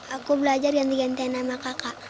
aku belajar ganti gantian sama kakak